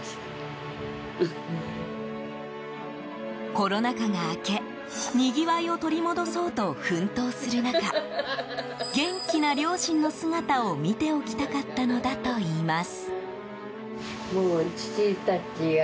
コロナ禍が明け、にぎわいを取り戻そうと奮闘する中元気な両親の姿を見ておきたかったのだといいます。